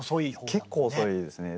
結構遅いですね。